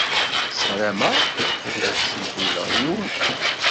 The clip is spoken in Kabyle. Ssarameɣ ur la ttcewwileɣ yiwen.